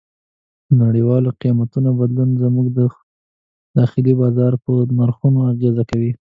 د نړیوالو قیمتونو بدلون زموږ د داخلي بازار په نرخونو اغېز کوي.